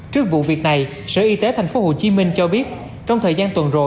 trước vụ việc này sở y tế tp hcm cho biết trong thời gian tuần rồi